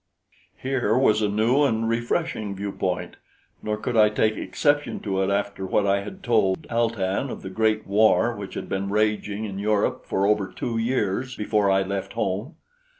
Here was a new and refreshing viewpoint; nor could I take exception to it after what I had told Al tan of the great war which had been raging in Europe for over two years before I left home.